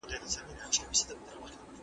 د اقتصاد وروسته پاته والی قسمآ روښانه کیږي.